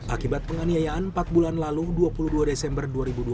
akibat penganiayaan empat bulan lalu dua puluh dua desember dua ribu dua puluh